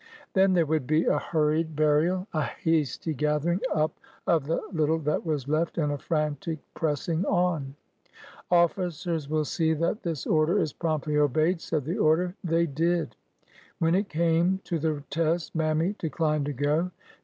Then there would be a hurried 294 ORDER NO. 11 burial, a hasty gathering up of the little that was left, and a frantic pressing on. '' Officers will see that this order is promptly obeyed,'^ said the order. They did. When it came to the test. Mammy declined to go.